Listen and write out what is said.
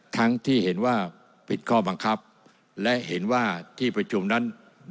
ทั้งที่เห็นว่าผิดข้อบังคับและเห็นว่าที่ประชุมนั้น